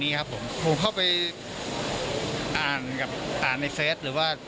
ครับผมผมเข้าไปอ่านกับอ่านในเฟสหรือว่า